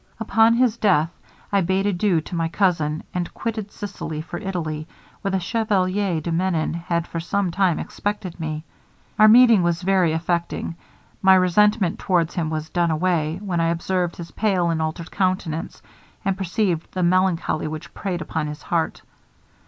'Upon his death, I bade adieu to my cousin, and quitted Sicily for Italy, where the Chevalier de Menon had for some time expected me. Our meeting was very affecting. My resentment towards him was done away, when I observed his pale and altered countenance, and perceived the melancholy which preyed upon his heart.